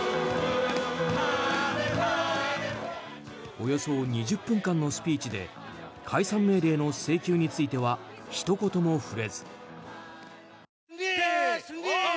およそ２０分間のスピーチで解散命令の請求についてはひと言も触れず。